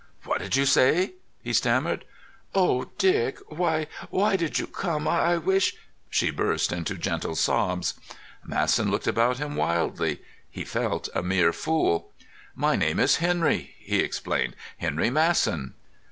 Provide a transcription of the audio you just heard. "What did you say?" he stammered. "Oh, Dick! Why, why did you come? I wish——" she burst into gentle sobs. Masson looked about him wildly. He felt a mere fool. "My name is Henry," he explained—"Henry Masson."